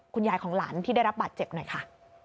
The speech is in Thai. คุณยายของหลานที่ได้รับบาดเจ็บหน่อยค่ะ